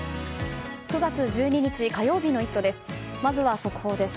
９月１２日、火曜日の「イット！」です。